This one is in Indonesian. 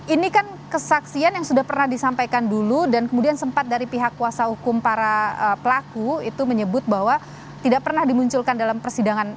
ini kan kesaksian yang sudah pernah disampaikan dulu dan kemudian sempat dari pihak kuasa hukum para pelaku itu menyebut bahwa tidak pernah dimunculkan dalam persidangan